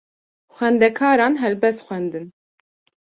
Xwendekaran helbest xwendin.